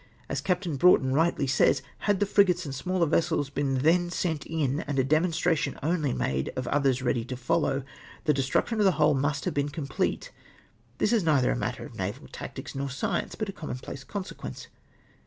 As Captain Broughton rightly says, had the frigates and smaller vessels been then sent m, and a demonstration only made of others ready to follow, the destruction of the whole must have been complete. This is neither a matter of naval tactics nor science, but a commonplace consequence.